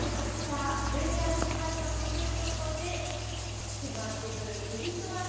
１２月に入ったということで迫ってくるクリスマス。